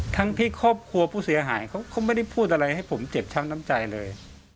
ทั้งที่ครอบครัวผู้เสียหายเขาก็ไม่ได้พูดอะไรให้ผมเจ็บช้ำน้ำใจเลย